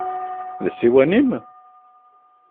D ssiwan-im?